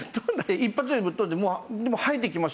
一発でぶっ飛んででも生えてきました。